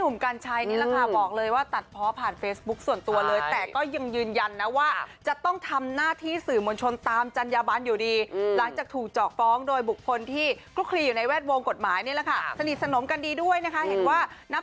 มาต่อกันที่เรื่องนี้กันบ้างดีกว่า